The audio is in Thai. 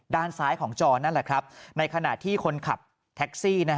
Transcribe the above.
ด้านซ้ายของจอนั่นแหละครับในขณะที่คนขับแท็กซี่